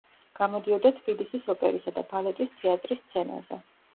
გამოდიოდა თბილისის ოპერისა და ბალეტის თეატრის სცენაზე.